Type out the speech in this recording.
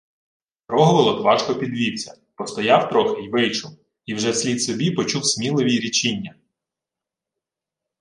Рогволод важко підвівся, постояв трохи й вийшов, і вже вслід собі почув Смілові речіння: